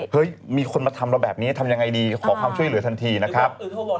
มีคนมาทำเราแบบนี้ทำยังไงดีขอความช่วยเหลือทันทีนะครับ